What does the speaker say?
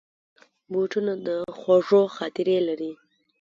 بوټونه د خوږو خاطرې لري.